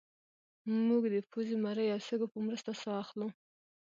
موږ د پوزې مرۍ او سږو په مرسته ساه اخلو